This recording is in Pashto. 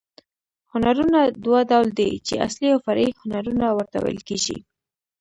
هنرونه دوه ډول دي، چي اصلي او فرعي هنرونه ورته ویل کېږي.